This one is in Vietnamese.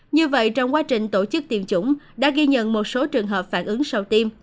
như vậy trong quá trình tổ chức tiêm chủng đã ghi nhận một số trường hợp phản ứng sau tiêm